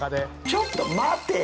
ちょっと待てぃ！！